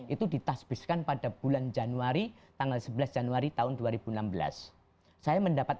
itu ditasbiskan pada bulan januari tanggal sebelas januari tahun dua ribu enam belas saya mendapat